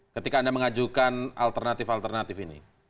ketika anda mengajukan alternatif alternatif ini